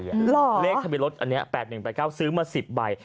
เลขทะเบียนรถอันนี้๘๑๘๙ซื้อมา๑๐ใบ